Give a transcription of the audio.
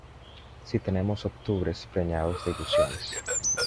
Si tenemos octubres preñados de ilusiones.